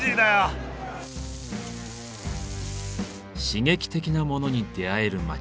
刺激的なモノに出会える街